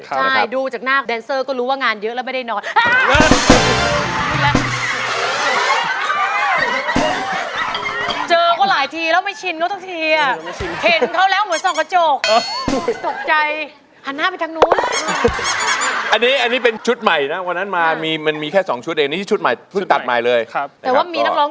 ใช่ดูจากนาคแดนเซอร์ก็รู้ว่างานเยอะแล้วไม่ได้นอน